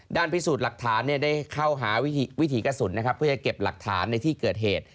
พิสูจน์หลักฐานได้เข้าหาวิถีกระสุนนะครับเพื่อจะเก็บหลักฐานในที่เกิดเหตุ